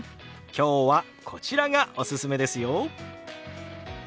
今日はこちらがおすすめですよ。